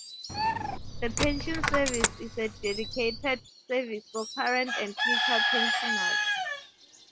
The Pension Service is a 'dedicated service for current and future pensioners'.